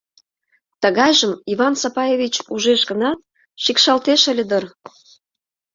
Тыгайжым Иван Сапаевич ужеш гынат, шикшалтеш ыле дыр.